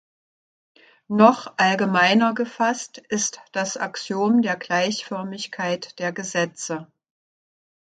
Noch allgemeiner gefasst ist das Axiom der "Gleichförmigkeit der Gesetze".